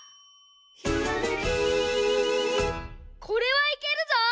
これはいけるぞ！